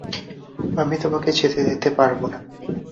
আমি তোমাকে যেতে দিতে পারবো না।